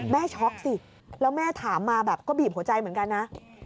ช็อกสิแล้วแม่ถามมาแบบก็บีบหัวใจเหมือนกันนะ